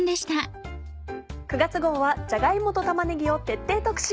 ９月号はじゃが芋と玉ねぎを徹底特集。